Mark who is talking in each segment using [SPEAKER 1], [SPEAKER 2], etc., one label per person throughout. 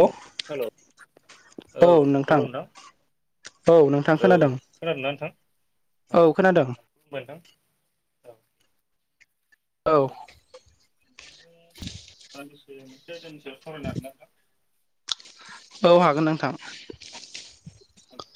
[SPEAKER 1] औ
[SPEAKER 2] हेल' औ हेल' नोंथां
[SPEAKER 1] औ नोंथां
[SPEAKER 2] औ
[SPEAKER 1] खोनादों
[SPEAKER 2] खोनादोंना नोंथां औ खुलुमबाय नोंथां। औ
[SPEAKER 1] औ
[SPEAKER 2] [unintelligible] बे मोनसे आयदानि सायाव सावरायनो हागोनना नोंथां?
[SPEAKER 1] औ हागोन नोंथां।
[SPEAKER 2] हेलौ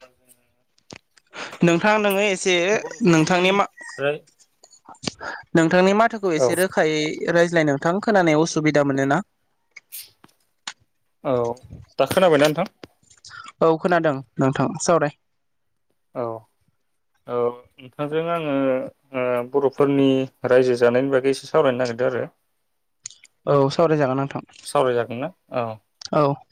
[SPEAKER 2] बा जोङो
[SPEAKER 1] नोंथां
[SPEAKER 2] ओ
[SPEAKER 1] नोङो एसे
[SPEAKER 2] बर'फोरनि
[SPEAKER 1] नोंथांनि मा
[SPEAKER 2] राय
[SPEAKER 1] [inaudible] नोंथांनि माथोखौ
[SPEAKER 2] औ
[SPEAKER 1] एसे रोखायै रायज्लायनो नोंथां खोनानायाव असुबिदा मोनोना
[SPEAKER 2] औ दा खोनाबायना नोंथां
[SPEAKER 1] औ खोनादों नोंथां सावराय
[SPEAKER 2] औ औ नोंथांजों आङो ओ बर'फोरनि रायजो जानायनि बागै एसे सावरायनो नागिरदो आरो
[SPEAKER 1] औ सावराय जागोन नों
[SPEAKER 2] सावरायजागोनना औ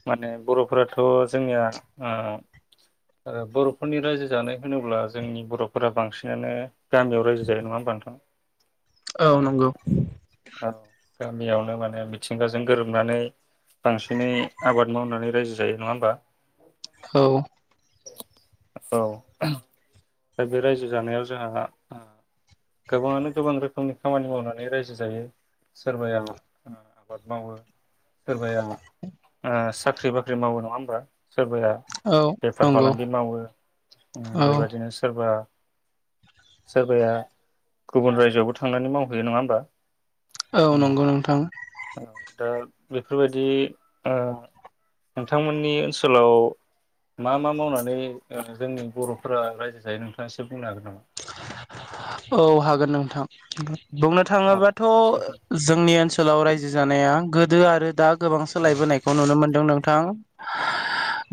[SPEAKER 2] माने बर'फोरा थ'‌ जोंनिया आ ओ बर'फोरनि रायजो जानाय होनोब्ला जोंनि बर'फोरा बांसिनानो गामियाव रायजो जायो नङा होमबा नोंथां?
[SPEAKER 1] औ नंगौ
[SPEAKER 2] औ गामियावनो माने मिथिंगाजों गोरोबनानै बांसिनै आबाद मावनानै रायजो जायो नङा होमबा
[SPEAKER 1] औ
[SPEAKER 2] औ दा बे रायजो जानायाव जोंहा आ गोबाङानो गोबां रोखोमनि खामानि मावनानै रायजो जायो सोरबाया आ-आबाद मावो सोरबाया आ साख्रि बाख्रि मावो नङा होमबा सोरबाया
[SPEAKER 1] औ
[SPEAKER 2] बेफार
[SPEAKER 1] नंगौ
[SPEAKER 2] फालांगि मावो
[SPEAKER 1] औ
[SPEAKER 2] बेबायदिनो सोरबा सोरबाया गुबुन रायजोआवबो थांनानै मावहैयो नङा होमबा।
[SPEAKER 1] औ नंगौ नोंथां।
[SPEAKER 2] औ दा बेफोरबायदि ओ नोंथांमोननि ओनसोलाव मा मा मावनानै ओ जोंनि बर'फोरा रायजो जायो नोंथाङा एसे बुंनो हागोन नामा।
[SPEAKER 1] औ हागोन नोंथां। बुंनो
[SPEAKER 2] औ
[SPEAKER 1] थाङोबाथ'
[SPEAKER 2] एसे
[SPEAKER 1] जोंनि ओनसोलाव रायजो जानाया‌ गो दो आरो दा गोबां
[SPEAKER 2] औ
[SPEAKER 1] सोलायबोनायखौ नुनो मोनदों नोंथां।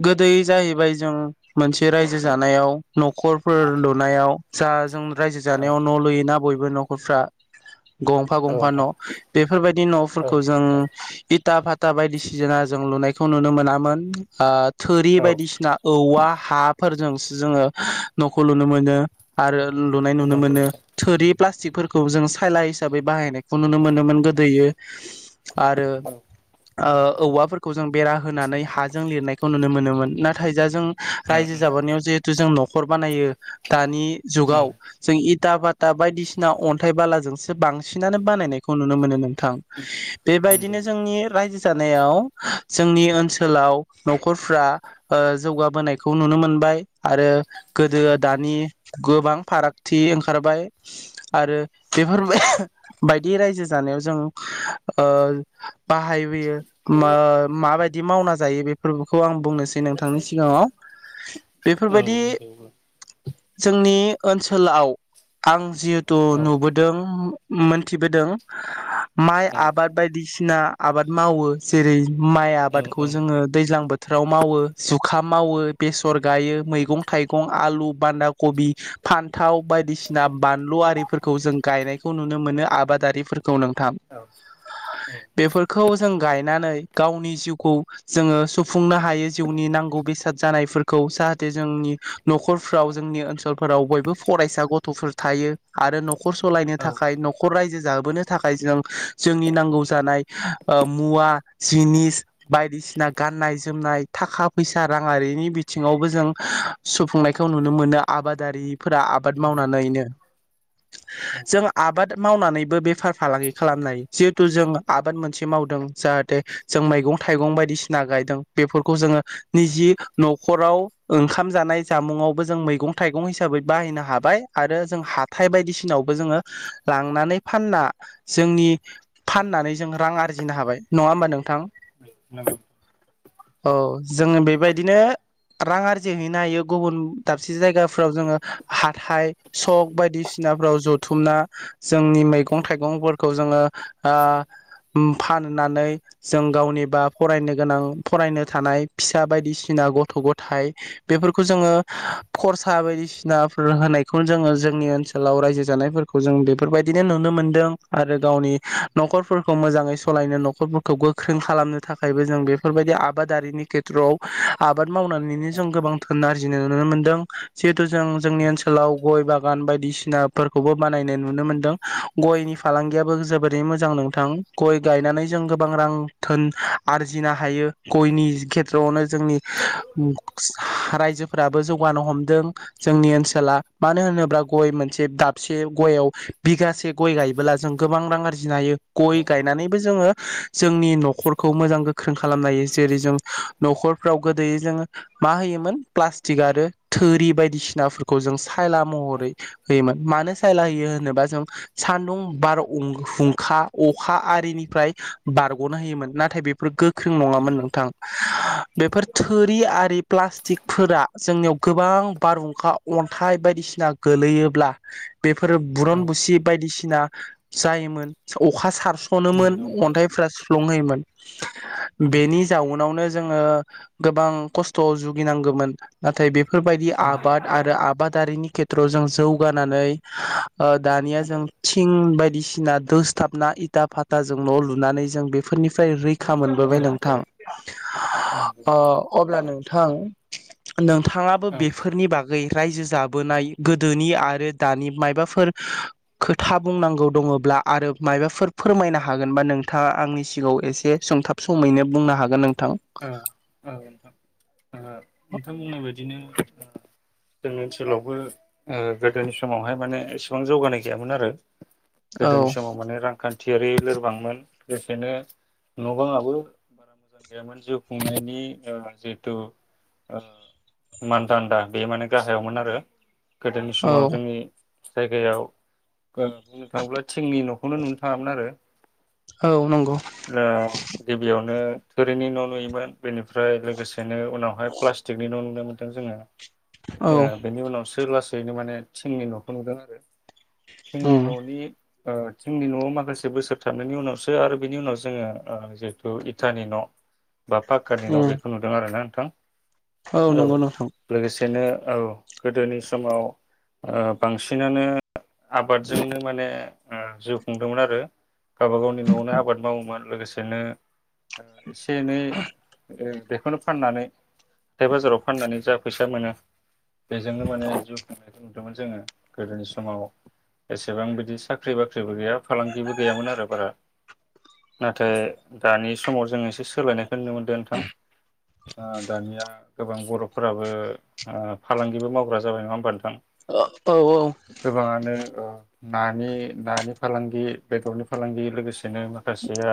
[SPEAKER 1] गोदै जाहैबाय जों मोनसे रायजो जानायाव न'खरफोर लुनायाव जा जों रायजो
[SPEAKER 2] औ
[SPEAKER 1] जानायाव न' लुयोना बय बो न'खरफ्रा गंफा
[SPEAKER 2] औ
[SPEAKER 1] गंफा
[SPEAKER 2] नोंथां
[SPEAKER 1] न' बेफोरबायदि
[SPEAKER 2] औ
[SPEAKER 1] न'फोरखौ जों इथ था फाता बायदिसिजोना जों लुनायखौ नुनो मोनामोन ओ। थोरि
[SPEAKER 2] औ
[SPEAKER 1] बायदिसिना औवा। हाफोरजोंसो जोङो न'खौ लुनो मोनो आरो। लुनाय नुनो
[SPEAKER 2] नंगौ
[SPEAKER 1] मोनो थोरि फ्लास सिफोरखौ जों साइला हिसाबै बाहायनायखौ नुनो मोनोमोन गोदोयो। आरो
[SPEAKER 2] औ उम औ
[SPEAKER 1] ओ औवाफोरखौ। जों बेरा होनानै हाजों लिरनायखौ नुनो मोनोमोन नाथाय जा जों।
[SPEAKER 2] नंगौ औ औ
[SPEAKER 1] रायजो जाबनायाव जिथ जु जों न'खर बानायो दानि। जुगाव जों इद था‌बाटा बायदिसिना अन्थाइ बालाजोंसो बांसिनानो बानायनायखौ नुनो मोनो मोन। थां बेबायदिनो
[SPEAKER 2] औ
[SPEAKER 1] जोंनि रायजो जानायाव जोंनि ओनसोलाव न'खरफ्रा ओ जौगाबोनायखौ नुनो मोनबाय। आरो गोदोआ दानि। गोबां फारागथि ओंखारबाय आरो। बेफोर बाय बायदि। बे रायजो जानायाव जों ओ। बाहायबोयो मा माबायद दि मावना जायो बेफोरब खौ आं बुंनोसै नोंथांनि सिगाङाव बेफोरबायदि। जोंनि ओनसोलाव। आं जिहेथु नुबोदों मोनथिबोदों। माइ आबाद बायदि। सिना आबाद मावो जेरै माइ आबादखौ जोङो दैज्लां बोथोर बोथोराव मावो जुखाम मावो बेसर गायो मैगं थाइगं आलु, बान्दा कबि फान थाव बायदिसिना बानलु आरिफोरखौ जों गायनाय खौ नुनो मोनो आबादारि खौ नोंथांबेफोरखौ जों गायनानै गावनि जिउखौ जोङो सु सुफुंनो हायो जिउनि नांगौ बेसाद जानायफोरखौ जाहाथे जोंनि न'खरफ्राव जोंनि ओनसोलफोराव बयबो फरायसा गथ'फोर थायो आरो न'खर सालायनो थाखाय नख'र रायजो जाबोनो थाखाय जों जोंनि नांगौ जानाय मुवा जिनिस बायदिसिना गाननाय जोमनाय थाखा फैसा राङारिनि बिथिङावबो जों सुफुंनायखौ नुनो मोनो आबादारि फोरा आबाद
[SPEAKER 2] नंगौ
[SPEAKER 1] मावनानैनो
[SPEAKER 2] औ
[SPEAKER 1] जों आबाद मावनानैबो बेफार फालांगि खालामनो हायो जिहेथु जों आबाद मोनसे मावदों जाहाथे जों मैगं थाइगं बायदिसिना गायदों बेफोरखौ जोङो निजे न'खराव ओंखाम जानाय जामुंआव जों मैंगं थाइगं हिसाबै बाहायनो हाबाय आरो जों हााइ बायदिसिनावबो जोङो लांनानै फानना जोंनि फाननानै जों रां आरजिनो हाबाय नङा होमबा नोंथां?
[SPEAKER 2] [inaudible]
[SPEAKER 1] औ जोङो बेबायदिनो रां आरजिहैनो हायो गुबुन दाबसे जायगाफ्राव जोङो हाथाइ सक बायदिसिनाफ्राव जथुमना जोंनि मैगं थाइगंफोरखौ जोङो ओ फाननानै जों गावनिबा फरायनो गोनां फरायनो थानाय फिसा बायदिसिना गथ' गथाइ बेफोरखौ जोङो खरसा बायदिसिनाफोर होनायखौ जोङो जोंनि ओनसोलाव रायजो जानायफोरखौ जों बेफोरबायदिनो नुनो मोनदों आरो गावनि न'खरफोरखौ मोजाङै सालायनो न'खरफोरखौ गोख्रों खालामनो थाखायबो जों बेफोरबायदि आबादारिनि खेथ्रआव आबाद मावनानैनो जों
[SPEAKER 2] औ
[SPEAKER 1] गोबां थोनारि नुनो मोनदों। जों जोंनि
[SPEAKER 2] नंगौ औ
[SPEAKER 1] ओनसोलाव गय बागान बायदि बायदिसिनाफोरखौबो बानायनाय नुनो मोनदों गयनि फालांगियाबो जोबोरैनो मोजां नोंथां गय गायनानै जों गोबां रां थोन आरजिनो हायो गयनि खेथ्रआवनो जोंनि रायजो फोराबो जौगानो हमदों जोंनि ओनसोला मानो होनोब्ला गय मोनसे दाबसे गययाव बिगासे गय गायबोला जों गोबां रां आरजिनो हायो
[SPEAKER 2] नंगौ
[SPEAKER 1] गय
[SPEAKER 2] औ
[SPEAKER 1] गायनानैबो जोङो जोंनि न'खरखौ मोजां गोख्रों खालामनो हायो जेरै जों न'खरफ्राव गोदोय जोङो मा होयोमोन? प्लास्टिक आरो थोरि बायदिसिनाफोरखौ जों सायला
[SPEAKER 2] औ
[SPEAKER 1] महरै
[SPEAKER 2] नंगौ
[SPEAKER 1] होयोमोन मानो सायला होयो होनोबा जों सान्दुं, बारहुंखा, अखा आरिनिफ्राय बारग'ना होयोमोन नाथाय बेफोर गोख्रों नङामोन नोंथां बेफोर थोरि आरि प्लास्टिक फोरा जोंनियाव गोबां बारहुंखा अन्थाइ बायदिसिना गोलैयोब्ला बेफोर बुरन
[SPEAKER 2] औ
[SPEAKER 1] बुसि बायदिसिना जायोमोन अखा सार सनो
[SPEAKER 2] नंगौ नोंथां
[SPEAKER 1] अन्थाइफ्रा सुफ्लुं होयोमोन
[SPEAKER 2] औ
[SPEAKER 1] बेनि जाउनावनो जोङो गोबां खस्थ' जुगिनांगो मोन नाथाय बे बेफोरबायदि
[SPEAKER 2] नंगौ
[SPEAKER 1] आबाद आरो आबादारिनि खेथ्रआव जों जौगानानै ओ दानिया
[SPEAKER 2] औ
[SPEAKER 1] जों थिं बाय बायदिसिना दोसथाबना इथा फाथा जों न' लुनानै जों बेफोरनिफ्राय रै खा
[SPEAKER 2] औ
[SPEAKER 1] मोनबोबाय नोंथां
[SPEAKER 2] नंगौ
[SPEAKER 1] ओ
[SPEAKER 2] नोंथां
[SPEAKER 1] अब्ला नोंथां नोंथाङाबो
[SPEAKER 2] औ
[SPEAKER 1] बेफोरनि बा गै रायजो जाबोनाय गोदोनि आरो दानि मायबाफोर खोथा बुंनांगौ दङब्ला आरो मायबाफोर फोरमायनो हागोनबा नोंथाङा आंनि सिगाङाव एसे सुंथाब समैनो बुंनो हागोन नोंथां।
[SPEAKER 2] औ औ ओ नोंथां बुंनाय बायदिनो जोंनि ओनसोलावबो ओ गोदोनि समावहाय माने एसेबां जौगानाय गैयामोन आरो। गोदोनि
[SPEAKER 1] औ
[SPEAKER 2] समाव माने रांखा न्थियारि लोरबांमोन लोगोसेनो न' बाङाबो गैयामोन जिउ खुंनायनि ओ जिहेथु ओ मानदान्दा बे माने गाहायावमोन आरो। गोदोनि
[SPEAKER 1] औ
[SPEAKER 2] समा जोंनि जायगायाव ओ बुंनो थाङोब्ला थिंनि न'खौनो नुनो थाङामोन आरो।
[SPEAKER 1] औ नंगौ
[SPEAKER 2] ओ गिबियावनो थोरिनि न' नुयोमोन बेनिफ्राय लोगोसे बिदिनो उनावहाय प्लास्टिकनि न' नुनो मोन जोङो।
[SPEAKER 1] औ
[SPEAKER 2] ए बेनि उनावसोला सैनो माने थिंनि न'खौ नुदों आरो। जोंनि
[SPEAKER 1] उम
[SPEAKER 2] न'नि ओ थिंनि न'आव माखासे बोसोर थांनायनि उनावसो आरो बिनि उनाव जोङो ओ जिहेथु इटानि न' बा पााख्कानि न'
[SPEAKER 1] उम
[SPEAKER 2] बेखौ नुदों आरो ना। नोंथां। औ
[SPEAKER 1] नंगौ नोंथां
[SPEAKER 2] लोगोसेनो औ गोदोनि समाव ओ बांसिनानो आबादजोंनो माने ओ जिउ खुंदोंमोन आरो। गावबा गावनि न'आवनो आबाद मावोमोन। लोगोसेनो एसे एनै बेखौनो फाननानै हाथथाय बाजाराव फाननानै जा फैसा मोनो। बेजोंनो माने जिउ नुदोंमोन जोङो गोदोनि समाव एसेबां बिदि साख्रि बाख्रिबो गैया फालांगिबो गैयामोन आरो बारा नाथाय दानि स [unintelligible] जोङो [unintelligible] सोलायनायखौ नुनो मोनदों नोंथां आ दानिया गोबां बर'फोराबो आ फालांगिबो मावग्रा जाबाय नङा होमबा [unintelligible]
[SPEAKER 1] [unintelligible] औऔ
[SPEAKER 2] औ नानि नानि फालांगि ओ बेदरनि फालांगि लोगोसेनो माखासेया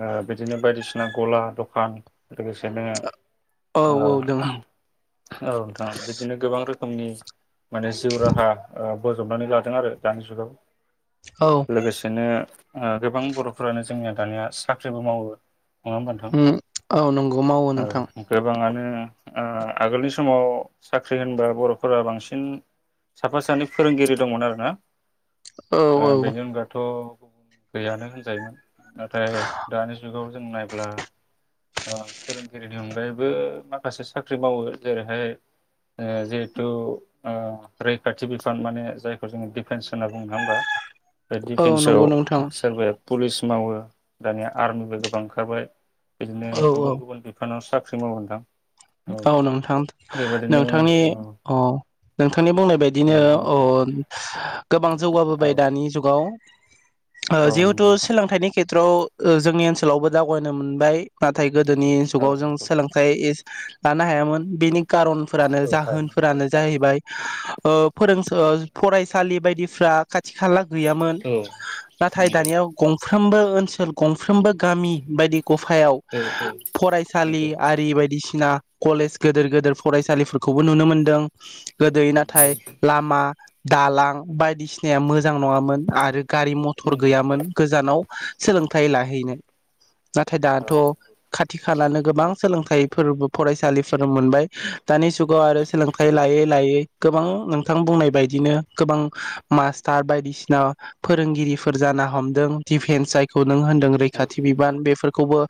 [SPEAKER 2] ओ बिदिनो बायदिसि- नां गला दखान [unintelligible] लोगोसेनो
[SPEAKER 1] औ
[SPEAKER 2] ओ
[SPEAKER 1] औ दोङो
[SPEAKER 2] औ नोंथां बिदिनो गोबां रोखोमनि माने जिउ राहा ओ बोजबनानै लादों आरो दानि जुगाव
[SPEAKER 1] औ
[SPEAKER 2] लोगोसेनो ओ गोबां बर'फोरानो जोंनिया दानिया साख्रिबो मावो। नङा होमबा नोथां
[SPEAKER 1] उम औ नंगौ मावो नोंथां
[SPEAKER 2] औ गोबाङानो आ आगोलनि समाव साख्रिआ होनबा बर'फोरा बांसिन साफा सानै फोरोंगिरि दंमोन आरोना
[SPEAKER 1] औ
[SPEAKER 2] आ
[SPEAKER 1] औ
[SPEAKER 2] बेनि अनगाथ गुबुन गैयानो होनजायोमोन नाथाय दानि जुगाव जों नाय ब्ला आ फोरोंगिरिनि अनगायैबो माखासे साख्रि मावो जेरैहाय ओ जिहेथु ओ रैखाथि बिफान माने जायखौ जोङो दिफेन्स होनना बुङो नोंङा होनबा [unintelligible]
[SPEAKER 1] औ
[SPEAKER 2] दिफेन्सआव
[SPEAKER 1] नंगौ नोंथां
[SPEAKER 2] सोरबाया पुलिस मावओ दानिया आरमिबो गोबां ओंखारबाय बिदिनो
[SPEAKER 1] औ औ
[SPEAKER 2] गुबुन गुबुन बिफानाव साख्रि मावगोन दां
[SPEAKER 1] औ नोंथां नोंथांनि ओअ नोंथांनि बुंनाय
[SPEAKER 2] औ
[SPEAKER 1] बायदिनो
[SPEAKER 2] बुंबाय
[SPEAKER 1] ओअ गोबां
[SPEAKER 2] औ
[SPEAKER 1] जौगाबोबाय दानि जुगाव ओआ
[SPEAKER 2] औ
[SPEAKER 1] जेहुथु
[SPEAKER 2] नंगौ नोंथां
[SPEAKER 1] सोलोंथाइनि खेथथ्रआव ओ जोंनि ओनसोलावबो जागयनो मोनबाय आनथाय गोदोनि
[SPEAKER 2] औ
[SPEAKER 1] जुगाव जों
[SPEAKER 2] नंगौ औ
[SPEAKER 1] सोलोंथाइ इस नानना हायामोन बेनि कारनफोरानो
[SPEAKER 2] थारैनो
[SPEAKER 1] जाहोनफोरानो जाहैबाय औ फोरोंसा फरायसालि बायदिसफ्रा [unintelligible] सालाक गैयामोन
[SPEAKER 2] औ
[SPEAKER 1] दाथाय
[SPEAKER 2] नंगौ औ
[SPEAKER 1] दानियाव गं फ्रोमबो ओनसोल गंफ्रोमबो गामि बायदि गफायाव
[SPEAKER 2] औ
[SPEAKER 1] फरायसालि
[SPEAKER 2] नंगौ नंगौ
[SPEAKER 1] आरि बायदिसिना ना कलेज गोदेर गोदेर फरायसालिफोरखौबो नुनो मोनदों। गोदोयो नाथाय लामा दालां बायदिसिनाया मोजां नङामोन आरो गारि मथर
[SPEAKER 2] नंगौ
[SPEAKER 1] गैयामोन गोजानाव सोलोंथाइ लाहैनो नाथाय
[SPEAKER 2] औ
[SPEAKER 1] दाथ' खाथि खा खालानो गोबां सोलोंथाइ फोरबो फरायसा सालिफोर मोनबाय दानि जुगाव आरो सोलोंथाइ लायै लायै गोबां नोंथां बुंनाय बायदिनो गोबां मास्टार बायदिसिना फोरोंगिरिफोर जाना हमदों दिफेन्स जायखौ नों होनदों रैखाथि बिबान बे खौबो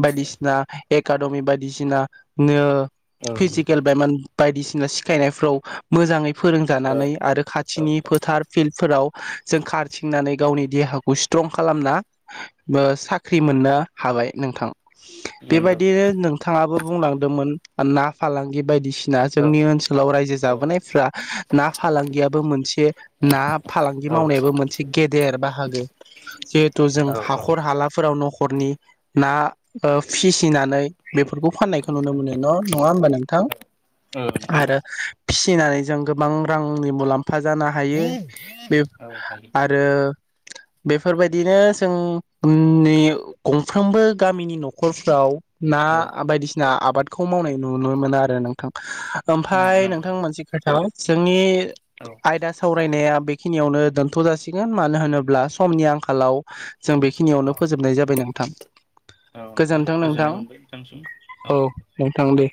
[SPEAKER 1] बायदिसिना एकाडमि बायदिसिना नो
[SPEAKER 2] औ नंगौ
[SPEAKER 1] फिजिकेल बेमार बायदिसिना सिखायनायफ्राव मोजाङै
[SPEAKER 2] औ
[SPEAKER 1] फोरोंजानानै आरो
[SPEAKER 2] औ
[SPEAKER 1] खाथिनि फोथार फिल्डफोराव जों खारथिंनानै गावनि देहाखौ स्ट्रं खालामना साख्रि मोननो हाबाय नोंथां
[SPEAKER 2] नंगौ औ
[SPEAKER 1] बेबायदिनो नोंथाङाबो बुंलांदों मोन ना फालांगि बायदिसिना ना
[SPEAKER 2] औ
[SPEAKER 1] जोंनि ओनसोलाव रायजो
[SPEAKER 2] औ
[SPEAKER 1] जाबोनायफ्रा ना फालांगियाबो मोनसे ना फालांगि मावनायाबो मोनसे गेदेर बाहागो जिहेथु जों
[SPEAKER 2] औ
[SPEAKER 1] हाखर हालाफोराव न'ख खरनि ना ओ फिसिनानै बेफोरखौ फान नुनो मोनो
[SPEAKER 2] नंगौ
[SPEAKER 1] न' नङा होमबा नोंथां
[SPEAKER 2] औ
[SPEAKER 1] आरो फिसिनानै जों गोबां रांनि मुलाम फा जानो हायो बे
[SPEAKER 2] औ हायो
[SPEAKER 1] आरो बेफोरबायदिनो जोंनि गंफ्रोमबो गामिनि न'खरफ्राव ना
[SPEAKER 2] औ
[SPEAKER 1] आबायदिसि ना आबादखौ मावनाय नुनो मोना आरो नोंथां।
[SPEAKER 2] उम
[SPEAKER 1] ओमफाय
[SPEAKER 2] नंगौ
[SPEAKER 1] नोंथां
[SPEAKER 2] नंगौ
[SPEAKER 1] मोनसि खोथाबाव जोंनि
[SPEAKER 2] औ
[SPEAKER 1] आयदा साव रायनाया बेखिनियावनो दोनथ' जासिगोन मानो होनोब्ला समनि आंखालाव जों बेखिनियावनो
[SPEAKER 2] औ
[SPEAKER 1] फोजोबनाय जाबाय नोंथां
[SPEAKER 2] औ नोंथां
[SPEAKER 1] गोजोन्थों नोंथां।
[SPEAKER 2] गोजोननाय मोनबाय नोंथांसिम
[SPEAKER 1] औ नोंथां दे।